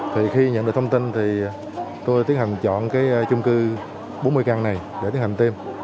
thì khi nhận được thông tin thì tôi tiến hành chọn cái chung cư bốn mươi căn này để tiến hành tem